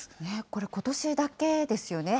これ、ことしだけですよね。